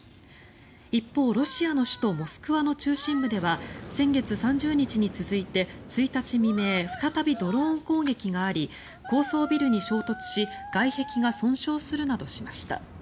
一方、ロシアの首都モスクワの中心部では先月３０日に続いて１日未明再びドローン攻撃があり高層ビルに衝突し外壁が損傷するなどしました。